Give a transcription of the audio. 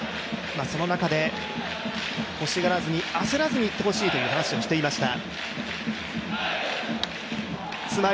その中で欲しがらずに、焦らずにいってほしいと話していました。